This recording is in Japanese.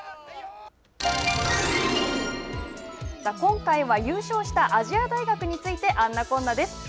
さあ今回は優勝した亜細亜大学について「あんなこんな」です。